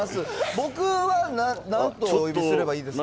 僕はなんとお呼びすればいいですか？